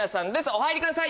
お入りください！